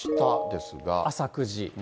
朝９時。